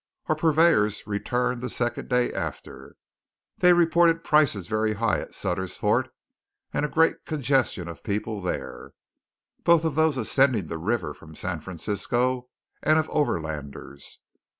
Our purveyors returned the second day after. They reported prices very high at Sutter's Fort, and a great congestion of people there; both of those ascending the river from San Francisco, and of overlanders.